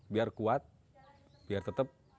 biar kuat biar tetap